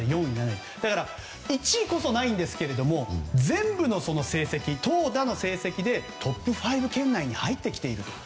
だから１位こそはないんですが全部の成績、投打の成績でトップ５圏内に入ってきている。